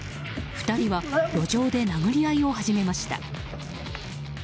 ２人は路上で殴り合いを始めました。